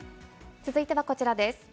続いてはこちらです。